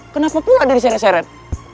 kenapa pula ada diseret seret